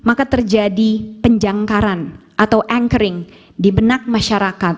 maka terjadi penjangkaran atau anchoring di benak masyarakat